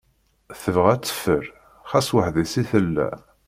Tebɣa ad teffer, xas ma weḥdes i tella.